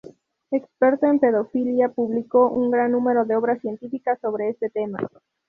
Experto en pedofilia, publicó un gran número de obras científicas sobre este tema.